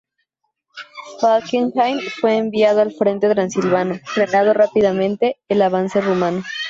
Falkenhayn fue enviado al frente transilvano, frenando rápidamente el avance rumano.